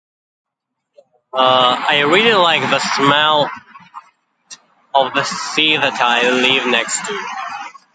Uh, I really like the smell of the sea that I live next to.